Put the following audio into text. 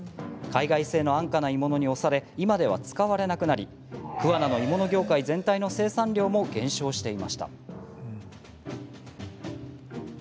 海外製の安価な鋳物に押され今では使われなくなり桑名の鋳物業界全体の生産量も減少していました。